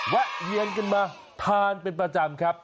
แวะเวียนกันมาทานเป็นประจำครับ